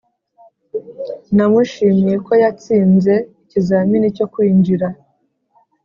namushimiye ko yatsinze ikizamini cyo kwinjira.